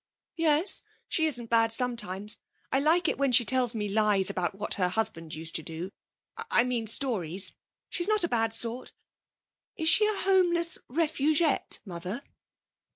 'Yes, she isn't bad sometimes. I like it when she tells me lies about what her husband used to do I mean stories. She's not a bad sort.... Is she a homeless refugette, Mother?'